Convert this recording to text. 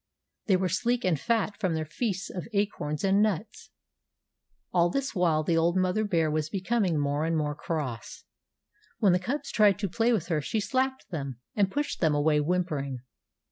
They were sleek and fat from their feasts of acorns and nuts. All this while the old mother bear was becoming more and more cross. When the cubs tried to play with her she slapped them, and pushed them away whimpering.